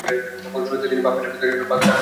শুরুতে তিনি পানির পাম্প তৈরির কারখানা দিয়েছিলেন।